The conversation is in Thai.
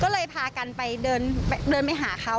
ก็เลยพากันไปเดินไปหาเขา